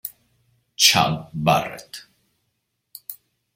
Chad Barrett